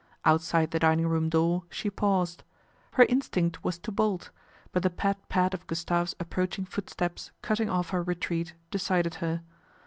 Outside the dining room door she paused. Her i stinct was to bolt ; but the pad pad of Gus tve's approaching footsteps cutting off her re tiat decided her.